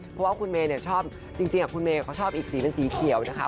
เพราะว่าคุณเมย์ชอบจริงคุณเมย์เขาชอบอีกสีเป็นสีเขียวนะคะ